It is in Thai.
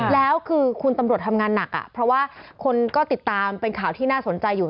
แล้วคือคุณตำรวจทำงานหนักเพราะว่าคนก็ติดตามเป็นข่าวที่น่าสนใจอยู่